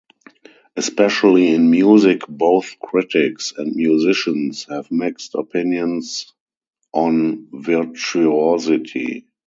Especially in music, both critics and musicians have mixed opinions on virtuosity.